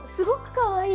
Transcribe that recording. かわいい。